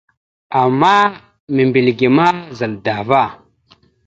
Ama membilge ma zal dava.